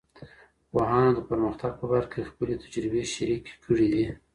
پوهانو د پرمختګ په برخه کي خپلې تجربې شریکې کړې دي.